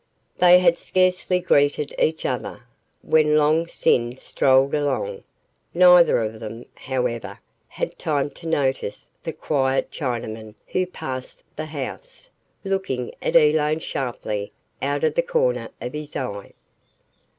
They had scarcely greeted each other, when Long Sin strolled along. Neither of them, however, had time to notice the quiet Chinaman who passed the house, looking at Elaine sharply out of the corner of his eye.